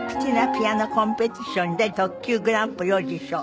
・ピアノコンペティションで特級グランプリを受賞。